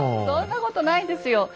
そんなことないですよ。